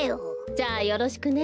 じゃあよろしくね。